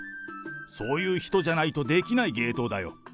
そういう人じゃないとできない芸当だよ。